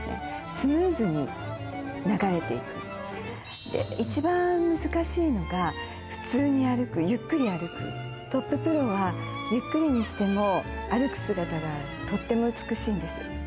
スムーズに流れていくで一番難しいのが普通に歩くゆっくり歩くトッププロはゆっくりにしても歩く姿がとっても美しいんです